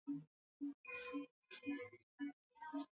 Tumbo lisiloshiba ni riwaya tuliyoisoma